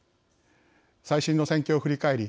最新の戦況を振り返り